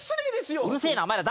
うるせえなお前ら。